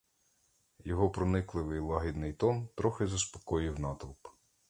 Його проникливий лагідний тон трохи заспокоїв натовп.